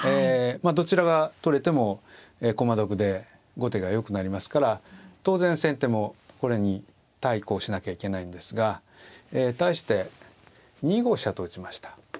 どちらが取れても駒得で後手がよくなりますから当然先手もこれに対抗しなきゃいけないんですが対して２五飛車と打ちました。